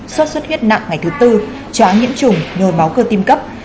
xuất xuất huyết nặng ngày thứ tư chóa nhiễm chủng ngồi máu cơ tim cấp